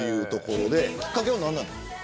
きっかけは何なんですか。